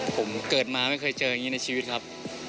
ผมเกิดมาไม่เคยเจออย่างนี้ในชีวิตครับ